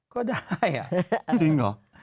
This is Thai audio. ก็ได้อะ